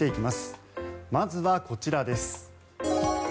まずはこちらです。